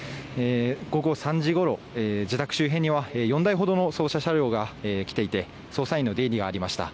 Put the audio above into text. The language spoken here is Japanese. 午後３時ごろ、自宅周辺には４台ほどの捜査車両が来ていて捜査員の出入りがありました。